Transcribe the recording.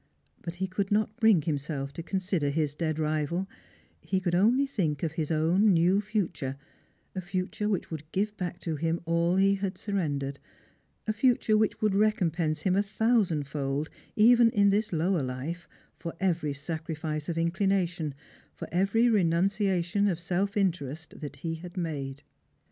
But he could not bring himself to consider his dead rival, he could only think of his own new future — a future which would give back to him all he had sun endered — a future which would recompense him a thousandfold, even in this lower life, for every sacrifice of inclination, for every renunciation of self interest, that he had made.